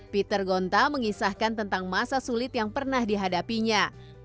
peter gonta mengisahkan tentang masa sulit yang pernah dihadapinya